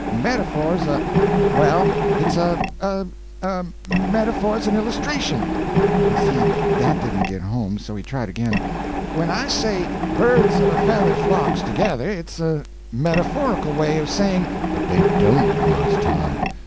"A metaphor's a—well, it's a—a—a metaphor's an illustration." He see that didn't git home, so he tried again. "When I say birds of a feather flocks together, it's a metaphorical way of saying—" "But dey don't!, Mars Tom.